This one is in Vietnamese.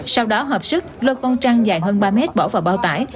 sau đó hợp sức lôi trăng dài hơn ba mét bỏ vào bao tải